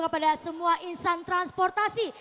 kepada semua insan transportasi